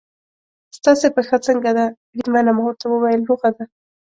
ستاسې پښه څنګه ده بریدمنه؟ ما ورته وویل: روغه ده.